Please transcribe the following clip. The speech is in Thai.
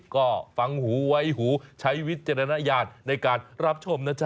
ก็ฟังหูไว้หูใช้วิจารณญาณในการรับชมนะจ๊